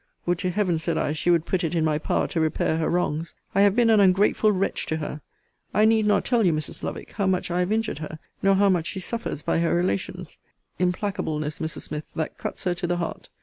Would to Heaven, said I, she would put it in my power to repair her wrongs! I have been an ungrateful wretch to her. I need not tell you, Mrs. Lovick, how much I have injured her, nor how much she suffers by her relations' implacableness, Mrs. Smith, that cuts her to the heart.